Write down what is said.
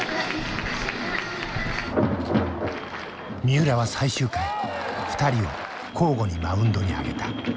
三浦は最終回二人を交互にマウンドに上げた。